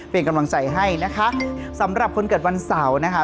เป็นกำลังใจให้นะคะสำหรับคนเกิดวันเสาร์นะคะ